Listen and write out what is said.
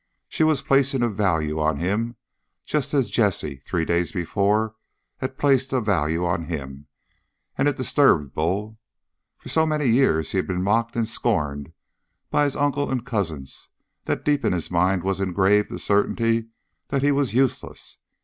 She was placing a value on him, just as Jessie, three days before, had placed a value on him; and it disturbed Bull. For so many years, he had been mocked and scorned by his uncle and cousins that deep in his mind was engraved the certainty that he was useless.